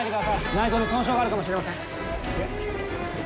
内臓に損傷があるかもしれません。